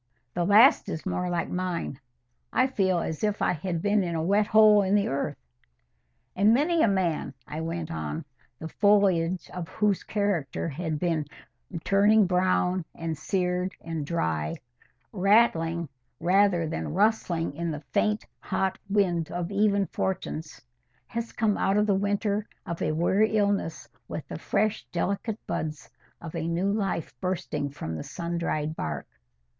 "The last is more like mine. I feel as if I had been in a wet hole in the earth." "And many a man," I went on, "the foliage of whose character had been turning brown and seared and dry, rattling rather than rustling in the faint hot wind of even fortunes, has come out of the winter of a weary illness with the fresh delicate buds of a new life bursting from the sun dried bark."